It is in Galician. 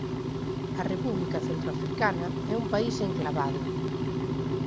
A República centroafricana é un país enclavado.